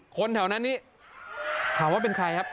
คนแถวนั้นนี้ถามว่าเป็นใครครับ